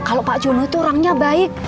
kalau pak jono itu orangnya baik